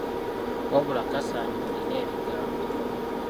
Wabula Kasaanya olina ebigambo.